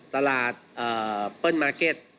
ตลาดเปิ้ลมาร์เก็ต